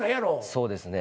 「そうですね」